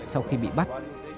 sau khi bị bắt